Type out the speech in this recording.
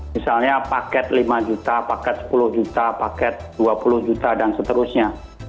misalnya paket lima juta paket sepuluh juta paket dua puluh juta dan seterusnya